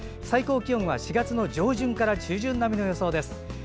最高気温は４月上旬から中旬並みの予想です。